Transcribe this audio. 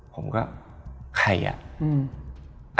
ผมก็ใครอ่ะ